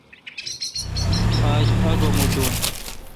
آج آگہ موچون۔